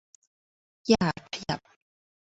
อย่าขยับ